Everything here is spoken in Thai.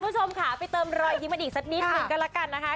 คุณผู้ชมค่ะไปเติมรอยยิ้มกันอีกสักนิดหนึ่งก็แล้วกันนะคะ